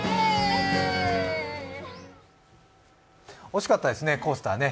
惜しかったですねコースータね。